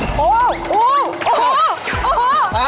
โอ้โฮโอ้โฮโอ้โฮ